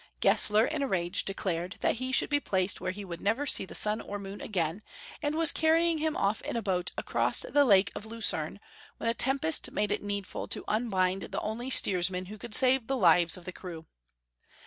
Gesler in his rage declared that he should be placed where he woidd never see the sun or moon again, and was carrying him off in a boat across the Lake of Lucerne, when a tempest made it needful to un bind the only steersman who could save the lives of the crew.